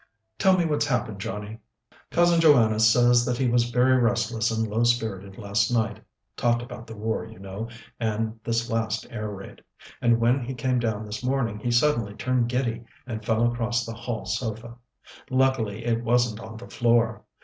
"Tell me what's happened, Johnnie." "Cousin Joanna says that he was very restless and low spirited last night talked about the war, you know, and this last air raid. And when he came down this morning he suddenly turned giddy and fell across the hall sofa. Luckily it wasn't on the floor.